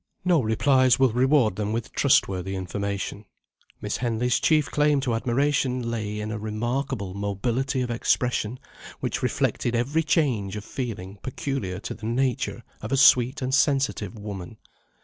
No replies will reward them with trustworthy information. Miss Henley's chief claim to admiration lay in a remarkable mobility of expression, which reflected every change of feeling peculiar to the nature of a sweet and sensitive woman.